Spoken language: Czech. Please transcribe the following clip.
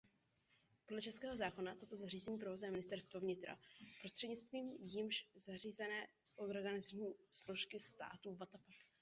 Podle českého zákona tato zařízení provozuje ministerstvo vnitra prostřednictvím jím zřízené organizační složky státu.